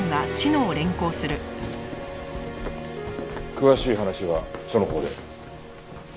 詳しい話は署のほうで。